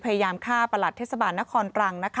พยายามฆ่าประหลัดเทศบาลนครตรัง